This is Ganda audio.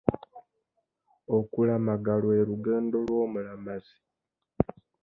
Okulamaga lwe lugendo lw'omulamazi.